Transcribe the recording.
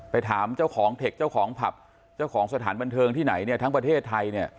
ถามเจ้าของเทคเจ้าของผับเจ้าของสถานบันเทิงที่ไหนเนี่ยทั้งประเทศไทยเนี่ย